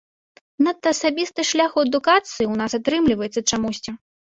Надта асабісты шлях у адукацыі ў нас атрымліваецца чамусьці!